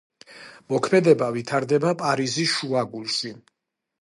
მოქმედება ვითარდება პარიზის შუაგულში.